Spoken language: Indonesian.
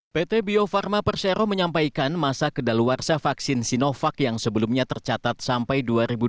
pt bio farma persero menyampaikan masa kedaluarsa vaksin sinovac yang sebelumnya tercatat sampai dua ribu dua puluh